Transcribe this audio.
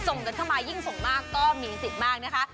ส่งกันเข้ามายิ่งส่งมากก็มีสิทธิ์มากนะคะ